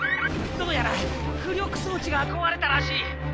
どうやら浮力装置が壊れたらしい！